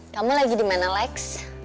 kamu lagi dimana lex